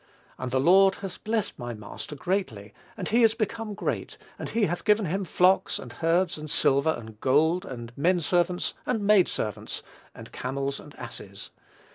And the Lord hath blessed my master greatly, and he is become great; and he hath given him flocks, and herds, and silver, and gold, and men servants, and maid servants, and camels, and asses.